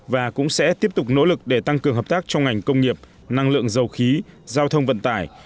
và cũng sẽ tiếp tục nỗ lực để tăng cường hợp tác trong ngành công nghiệp năng lượng dầu khí giao thông vận tải